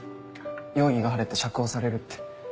容疑が晴れて釈放されるって。